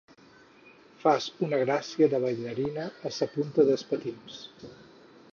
Fas una gràcia de ballarina a sa punta des patins.